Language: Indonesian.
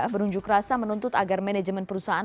berunjuk rasa menuntut agar manajemen perusahaan